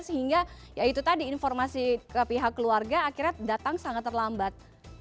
sehingga ya itu tadi informasi ke pihak keluarga akhirnya datang sangat terlambat